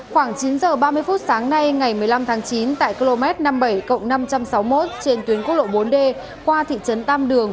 khoảng chín h ba mươi phút sáng nay ngày một mươi năm tháng chín tại km năm mươi bảy năm trăm sáu mươi một trên tuyến quốc lộ bốn d qua thị trấn tam đường